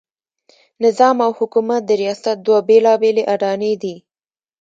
نظام او حکومت د ریاست دوه بېلابېلې اډانې دي.